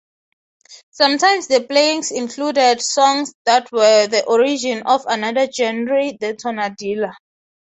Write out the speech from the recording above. Sometimes the playings included songs that were the origin of another genre, the tonadilla.